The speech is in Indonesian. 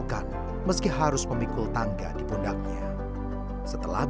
kami kembalikan ke habitatnya